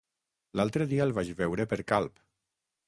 L'altre dia el vaig veure per Calp.